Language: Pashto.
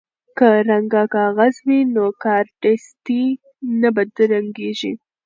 که رنګه کاغذ وي نو کارډستي نه بدرنګیږي.